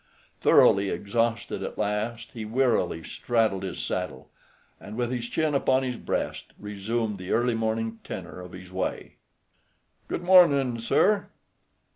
Thoroughly exhausted at last, he wearily straddled his saddle, and with his chin upon his breast resumed the early morning tenor of his way. II "Good mornin', sir."